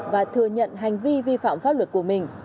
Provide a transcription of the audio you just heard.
và thừa nhận hành vi vi phạm pháp luật của mình